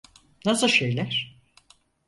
Nasıl şeyler?